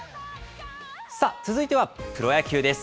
さあ、続いてはプロ野球です。